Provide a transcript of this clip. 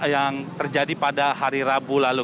yang terjadi pada hari rabu lalu